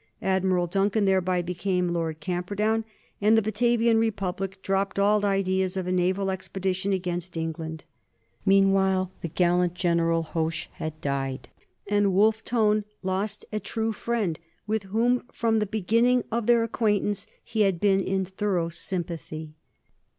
Admiral Duncan thereby became Lord Camperdown and the Batavian Republic dropped all ideas of a naval expedition against England. Meanwhile the gallant General Hoche had died, and Wolfe Tone lost a true friend, with whom, from the beginning of their acquaintance, he had been in thorough sympathy.